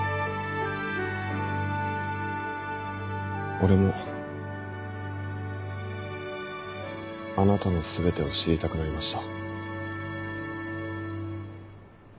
俺もあなたの全てを知りたくなりました。